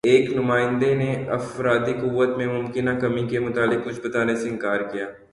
ایک نمائندے نے افرادی قوت میں ممکنہ کمی کے متعلق کچھ بتانے سے اِنکار کِیا